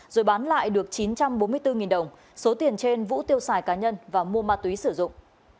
rồi bán lại được chín trăm bốn mươi bốn đồng số tiền trên vũ tiêu xài cá nhân và mua ma túy sử dụng